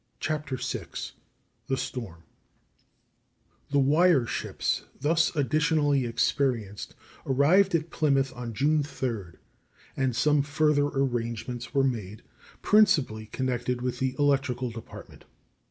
CHAPTER VI THE STORM The "wire ships" thus additionally experienced arrived at Plymouth on June 3d, and some further arrangements were made, principally connected with the electrical department.